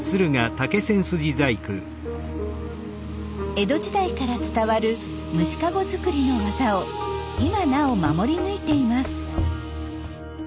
江戸時代から伝わる虫かご作りの技を今なお守り抜いています。